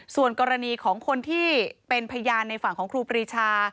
ส่วนกรณีของคนที่เป็นพยานในฝั่งของครูปรีชา